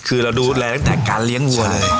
คือเราดูแลตั้งแต่การเลี้ยงวัวเลย